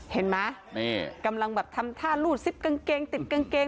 เห็นไหมนี่กำลังแบบทำท่ารูดซิบกางเกงติดกางเกง